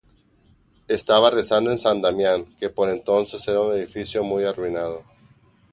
Estaba rezando en San Damián que por entonces era un edificio muy arruinado.